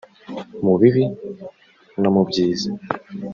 Mu bibi no mu byiza